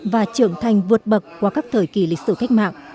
và trưởng thành vượt bậc qua các thời kỳ lịch sử cách mạng